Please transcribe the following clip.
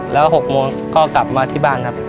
แล้ว๖โมงก็กลับมาที่บ้านครับ